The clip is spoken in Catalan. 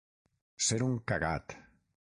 Ser un cagat.